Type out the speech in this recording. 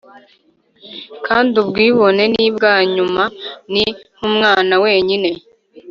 kandi, ubwibone nibwa nyuma, ni nkumwana wenyine